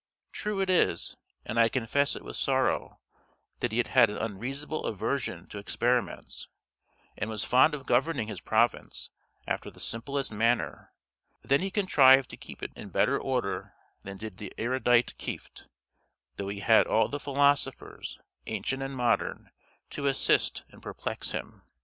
True it is, and I confess it with sorrow, that he had an unreasonable aversion to experiments, and was fond of governing his province after the simplest manner; but then he contrived to keep it in better order than did the erudite Kieft, though he had all the philosophers, ancient and modern, to assist and perplex him.